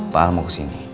pak al mau kesini